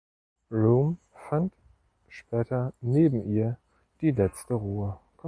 Room fand später neben ihr die letzte Ruhe.